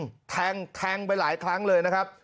แทงแทงไปหลายครั้งเลยนะครับ